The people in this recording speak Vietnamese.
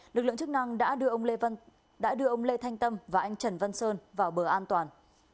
lực lượng chức năng đã đưa ông lê thanh tâm và anh trần văn sơn vào bờ an toàn